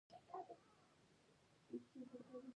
نه يوازې له ايمان بلکې له نورو احساساتو سره هم کېږي.